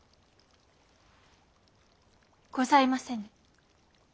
ございませぬ。